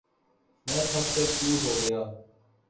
میں تھک کر چُور ہوگیا